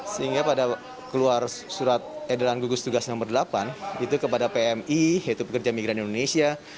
sehingga pada keluar surat edaran gugus tugas nomor delapan itu kepada pmi yaitu pekerja migran indonesia